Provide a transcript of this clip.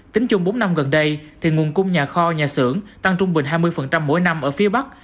tính chung bốn năm gần đây thì nguồn cung nhà kho nhà xưởng tăng trung bình hai mươi mỗi năm ở phía bắc